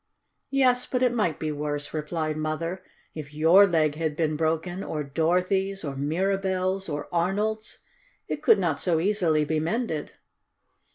"Yes; but it might be worse," replied Mother. "If your leg had been broken, or Dorothy's or Mirabell's or Arnold's, it could not so easily be mended."